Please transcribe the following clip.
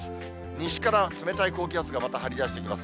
西から冷たい高気圧がまた張り出してきます。